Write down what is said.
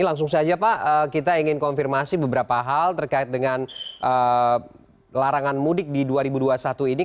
langsung saja pak kita ingin konfirmasi beberapa hal terkait dengan larangan mudik di dua ribu dua puluh satu ini